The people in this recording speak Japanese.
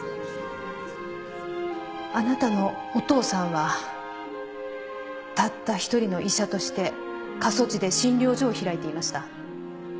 あなたのお父さんはたった一人の医者として過疎地で診療所を開いていました。